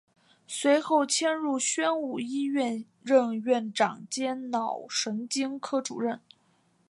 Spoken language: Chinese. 随后迁入宣武医院任院长兼脑神经科主任。